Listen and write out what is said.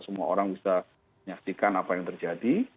semua orang bisa menyaksikan apa yang terjadi